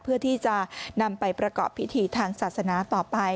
เพื่อที่จะนำไปประกอบพิธีทางศาสนาต่อไป